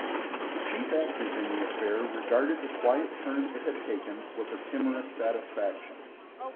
The chief actors in the affair regarded the quiet turn it had taken with a timorous satisfaction.